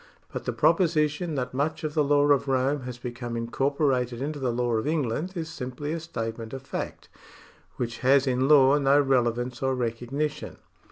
But the proposition that much of the law of Rome has become incorporated into the law of England is simply a statement of fact, which has in law no relevance or recognition.